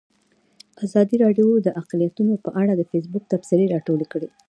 ازادي راډیو د اقلیتونه په اړه د فیسبوک تبصرې راټولې کړي.